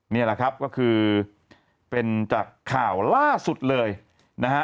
นี่แหละครับก็คือเป็นจากข่าวล่าสุดเลยนะฮะ